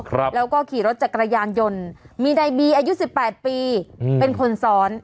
ครับแล้วก็ขี่รถจักรยานยนต์มีในบีอายุสิบแปดปีอืมเป็นคนซ้อน